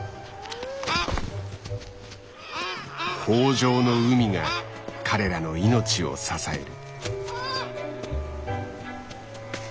豊じょうの海が彼らの命を支える。